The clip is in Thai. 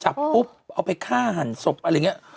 จับปุ๊บเอาไปการฆ่าหันศพอะไรเงี้ย